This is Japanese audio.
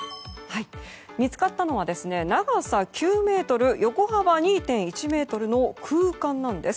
見つかったのは長さ９ｍ横幅２．１ｍの空間なんです。